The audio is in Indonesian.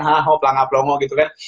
hah hoplah gak plongoh gitu kan